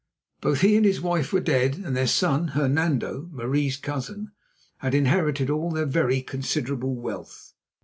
Both he and his wife were dead, and their son, Hernando, Marie's cousin, had inherited all their very considerable wealth.